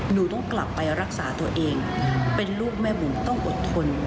หนูต้องกลับไปรักษาตัวเองเป็นลูกแม่บุ๋มต้องอดทน